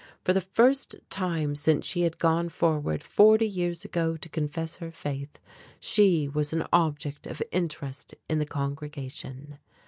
For the first time since she had gone forward forty years ago to confess her faith, she was an object of interest to the congregation!